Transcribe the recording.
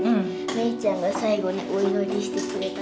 めいちゃんが最後にお祈りしてくれたとばい。